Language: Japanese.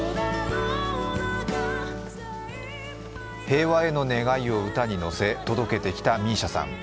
平和への願いを歌にのせ届けてきたＭＩＳＩＡさん。